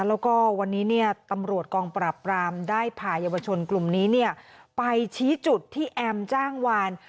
แล้วก็วันนี้ตำรวจกองปราบรามได้พายาวชนกลุ่มนี้ไปชี้จุดที่แอมจ้างวาน